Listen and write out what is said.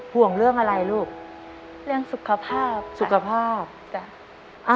ห่วงเรื่องอะไรลูกเรื่องสุขภาพสุขภาพจ้ะ